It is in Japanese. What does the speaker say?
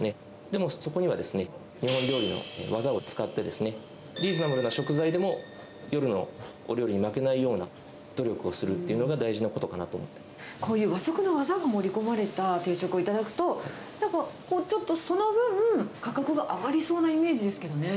でも、そこにはですね、日本料理の技を使って、リーズナブルな食材でも、夜のお料理に負けないような努力をするこういう和食の技が盛り込まれた定食を頂くと、なんか、ちょっとその分、価格が上がりそうなイメージですけどね。